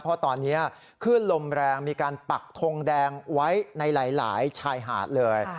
เพราะตอนนี้คลื่นลมแรงมีการปักทงแดงไว้ในหลายชายหาดเลย